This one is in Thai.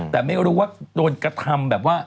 แต่ไม่รู้ว่าโดนกระทำแบบว่า